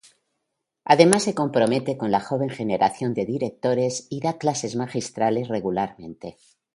Además se compromete con la joven generación de directores y da clases magistrales regularmente.